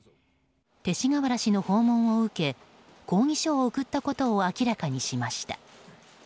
勅使河原氏の訪問を受け抗議書を送ったことを明らかにしました。